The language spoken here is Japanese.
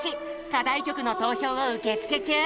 課題曲の投票を受付中。